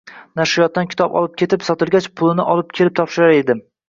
Nashriyotlardan kitob olib ketib, sotilgach, pulini olib kelib topshirar edim.